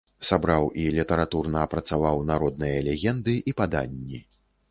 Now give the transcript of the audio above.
Сабраў і літаратурна апрацаваў народныя легенды і паданні.